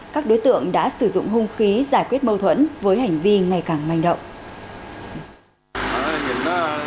các đối tượng đã sử dụng hung khí giải quyết mâu thuẫn với hành vi ngày càng manh động